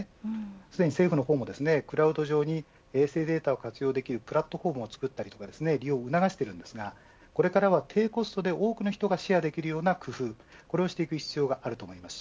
すでに政府も、クラウド上に衛星データを活用できるプラットフォームを作ったり利用を促していますがこれからは低コストで多くの人がシェアできるような工夫をしていく必要があります。